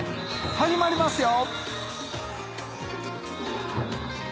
始まりますよ